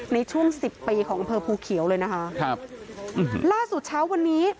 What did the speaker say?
ในช่วงสิบปีของอำเภอภูเขียวเลยนะคะครับล่าสุดเช้าวันนี้